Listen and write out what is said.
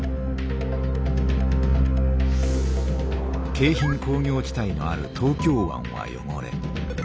京浜工業地帯のある東京湾は汚れ